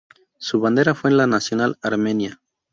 Su bandera fue la nacional armenia.